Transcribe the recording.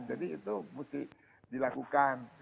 jadi itu mesti dilakukan